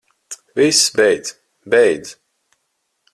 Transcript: Viss, beidz. Beidz.